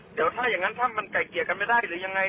เดี๋ยวถ้าอย่างนั้นถ้ามันไก่เกลี่ยกันไม่ได้หรือยังไง